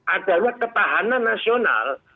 adalah ketahanan nasional